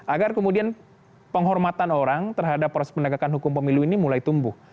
agar kemudian penghormatan orang terhadap proses penegakan hukum pemilu ini mulai tumbuh